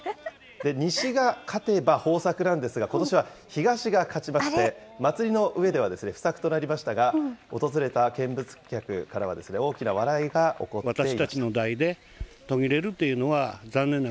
西が勝てば豊作なんですが、ことしは東が勝ちまして、祭りの上では不作となりましたが、訪れた見物客からは大きな笑いが起こっていました。